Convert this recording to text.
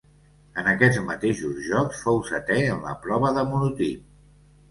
En aquests mateixos Jocs fou setè en la prova de monotip.